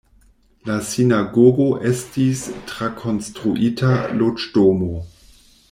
La sinagogo estis trakonstruita loĝdomo.